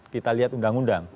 kita lihat undang undang